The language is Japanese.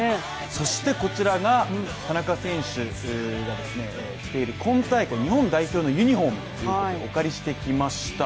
そしてこちらが、田中選手が着ている今大会日本代表のユニフォームということでお借りしてきました